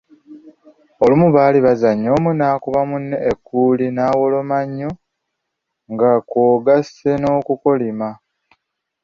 Olumu baali bakyazannya omu naakuba munne ekkuuli nawoloma nnyo nga kwogasse n’okukolima.